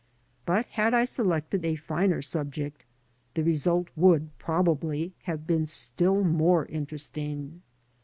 But had I selected a finer subject, the result would, probably, have been still more interesting.